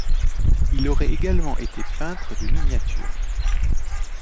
Il aurait également été peintre de miniatures.